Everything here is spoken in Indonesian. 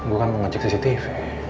gue kan mau ngecek cctv